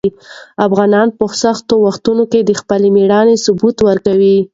افغانان په سختو وختونو کې د خپل مېړانې ثبوت ورکوي.